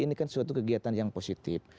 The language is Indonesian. ini kan suatu kegiatan yang positif